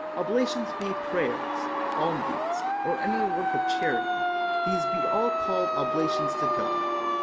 Oblations be prayers, alms deeds, or any work of charity; these be all called obla tions to God.